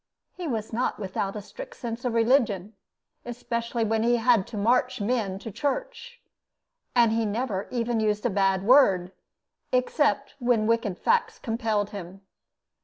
He was not without a strict sense of religion, especially when he had to march men to church; and he never even used a bad word, except when wicked facts compelled him.